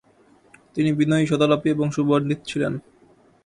তিনি বিনয়ী, সদালাপী এবং সুপণ্ডিত ছিলেন।